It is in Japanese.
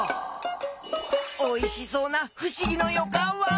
おいしそうなふしぎのよかんワオ！